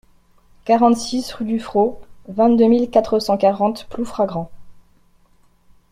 quarante-six rue du Fros, vingt-deux mille quatre cent quarante Ploufragan